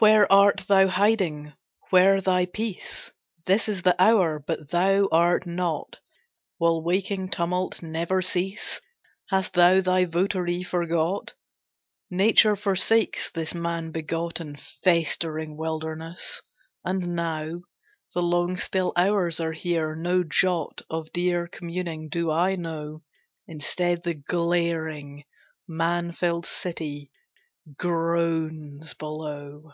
Where art thou hiding, where thy peace? This is the hour, but thou art not. Will waking tumult never cease? Hast thou thy votary forgot? Nature forsakes this man begot And festering wilderness, and now The long still hours are here, no jot Of dear communing do I know; Instead the glaring, man filled city groans below!